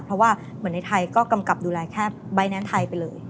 เพราะว่าเหมือนในไทยก็กำกับดูแลแค่ใบแนนซ์ไทยไปเลย